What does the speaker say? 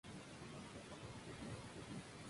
Narra la historia de las vidas de cinco adolescentes.